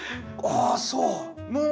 ああそう。